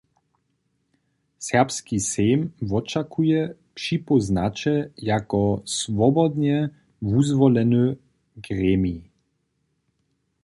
Serbski sejm wočakuje připóznaće jako swobodnje wuzwoleny gremij.